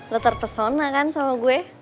lo terpesona kan sama gue